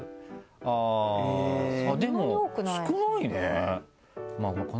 あぁでも少ないね。